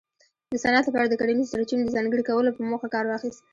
د صنعت لپاره د کرنیزو سرچینو د ځانګړي کولو په موخه کار واخیست